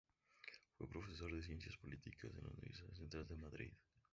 Fue profesor de Ciencias Políticas en la Universidad Central de Madrid.